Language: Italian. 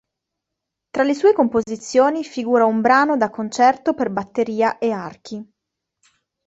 Tra le sue composizioni figura un "Brano da concerto per batteria e archi".